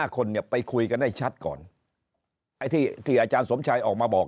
คนเนี่ยไปคุยกันให้ชัดก่อนไอ้ที่อาจารย์สมชัยออกมาบอก